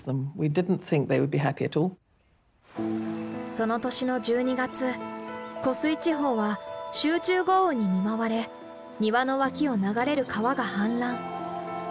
その年の１２月湖水地方は集中豪雨に見舞われ庭の脇を流れる川が氾濫。